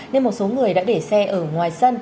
nên một số người đã để xe ở ngoài sân